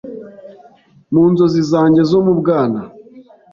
Mu nzozi zanjye zo mu bwana